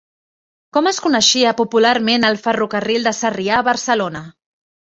Com es coneixia popularment el "Ferrocarril de Sarrià a Barcelona"?